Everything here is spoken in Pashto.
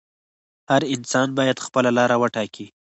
هر انسان باید خپله لاره وټاکي.